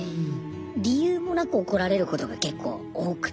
理由もなく怒られることが結構多くて。